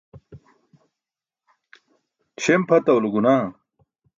Śem pʰatawulo gunaah.